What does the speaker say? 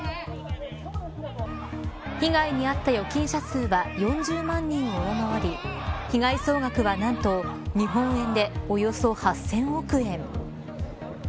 被害に遭った預金者数は４０万人を上回り被害総額は何と日本円でおよそ８０００億円。